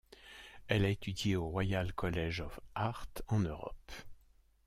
Elle a étudié au Royal College of Art en Europe.